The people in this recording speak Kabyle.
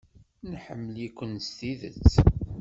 Nḥemmel-ikem s tidet.